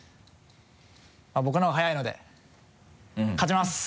僕のが早いので勝ちます！